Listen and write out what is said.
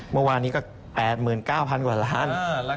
เมื่อวานนี้ก็๘๙๐๐กว่าล้าน